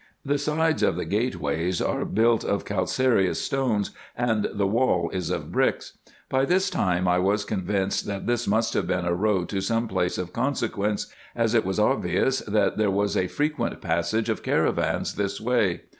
The sides of the gateways are built of calcareous stones, and the wall is of bricks. By this time I was convinced, that this must have been a road to some place of consequence, as it was obvious, that there was a frequent passage of caravans this way.